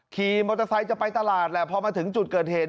ขี่มอเตอร์ไซค์จะไปตลาดแหละพอมาถึงจุดเกิดเหตุ